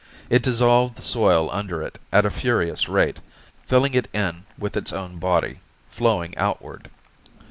It dissolved the soil under it at a furious rate, filling it in with its own body, flowing outward.